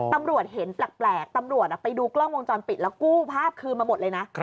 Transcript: ตำรวจเห็นแปลกตำรวจไปดูกล้องวงจรปิดแล้วกู้ภาพคืนมาหมดเลยนะ